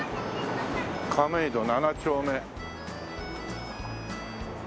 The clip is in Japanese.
亀戸７丁目。